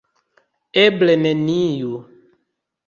Eble neniu.